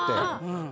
うん。